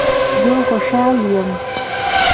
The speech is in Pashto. زه خوشحال یم